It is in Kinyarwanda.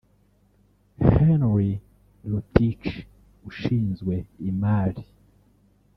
Henry Rotich ushinzwe imari